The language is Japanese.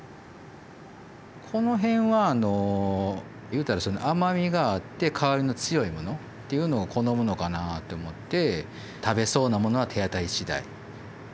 このへんはあのいうたら甘みがあって香りの強いものっていうのを好むのかなって思って食べそうなものは手当たり次第。